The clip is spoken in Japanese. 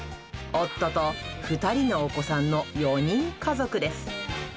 夫と２人のお子さんの４人家族です。